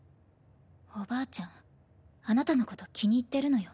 おばあちゃんあなたのこと気に入ってるのよ。